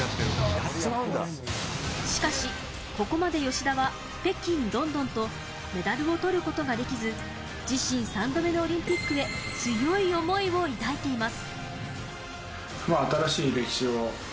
しかし、ここまで吉田は北京、ロンドンとメダルを取ることができず、自身３度目のオリンピックへ強い思いを抱いています。